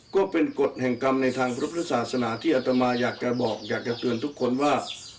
ก็เป็นกฎแห่งกรรมในทางพระพุทธศาสนาที่อัตมาอยากจะบอกอยากจะเตือนทุกคนว่า